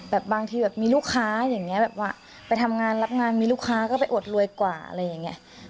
บางทีแบบมีลูกค้าอย่างนี้แบบว่าไปทำงานรับงานมีลูกค้าก็ไปอดรวยกว่าอะไรอย่างนี้